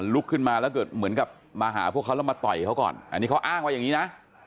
ลุกขึ้นมาแล้วเกิดเหมือนกับมาหาพวกเขาแล้วมาต่อยเขาก่อนอันนี้เขาอ้างว่าอย่างนี้นะ